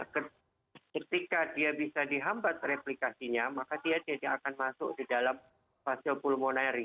ketika dia bisa dihambat replikasinya maka dia tidak akan masuk ke dalam fase pulmoneri